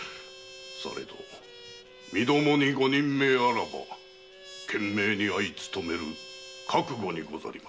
されど身共にご任命あらば懸命にあい勤める覚悟にございまする。